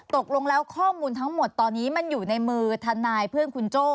ตกลงแล้วข้อมูลทั้งหมดตอนนี้มันอยู่ในมือทนายเพื่อนคุณโจ้